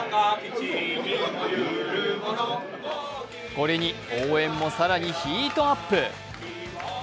これに応援も更にヒートアップ。